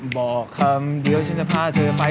บอกคำเดียวฉันจะพาเธอไป